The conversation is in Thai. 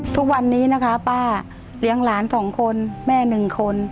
ทุกวันนี้นะคะป้าเลี้ยงหลาน๒คนแม่๑คน